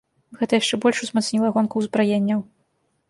Гэта яшчэ больш узмацніла гонку ўзбраенняў.